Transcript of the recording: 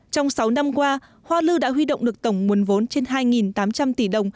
trong sáu năm qua hoa lư đã huy động được tổng nguồn vốn trên hai tám trăm linh tỷ đồng